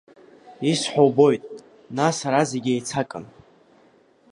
Исҳәо убоит, нас ара зегь еицакын.